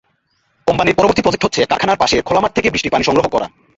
কোম্পানির পরবর্তী প্রজেক্ট হচ্ছে কারখানার পাশের খোলা মাঠ থেকে বৃষ্টির পানি সংগ্রহ করা।